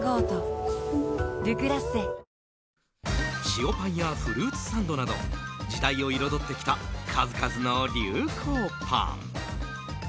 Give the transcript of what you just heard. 塩パンやフルーツサンドなど時代を彩ってきた数々の流行パン。